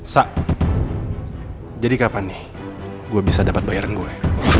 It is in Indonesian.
sak jadi kapan nih gue bisa dapat bayaran gue